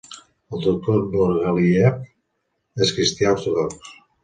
El doctor Nurgaliyev és cristià ortodox.